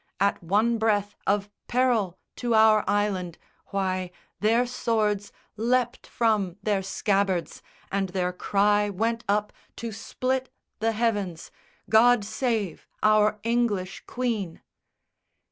At one breath Of peril to our island, why, their swords Leapt from their scabbards, and their cry went up To split the heavens _God save our English Queen!